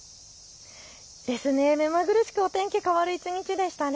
目まぐるしくお天気変わる一日でしたね。